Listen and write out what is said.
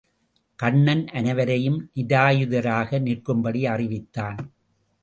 கண்ணன் அனைவரையும் நிராயுதராக நிற்கும்படி அறிவித்தான்.